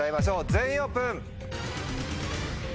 全員オープン。